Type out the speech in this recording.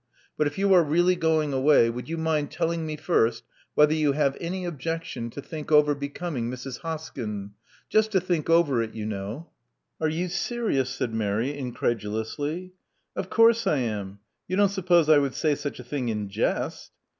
But if you are really going away, would you mind telling me first whether you have any objection to think over becoming Mrs. Hoskyn. Just to think over it, you know." Are you serious?" said Mary, incredulously. Of course I am. You don't suppose I would say such a thing in jest?"